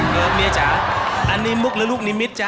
เยอะเมียจ๋าอันนี้มุกแล้วลูกนี่มิดจ๋า